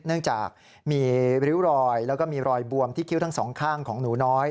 เนื่องจากมีริ้วรอยแล้วก็มีรอยบวมที่คิ้วทั้งสองข้างของหนูน้อย